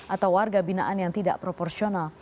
atau warga binaan yang tidak proporsional